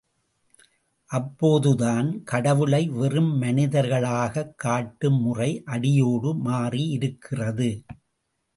அப்போதுதான் கடவுளை வெறும் மனிதனர்களாகக் காட்டும் முறை அடியோடு மாறியிருக்கிறது.